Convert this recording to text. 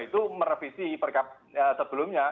itu merevisi perkab sebelumnya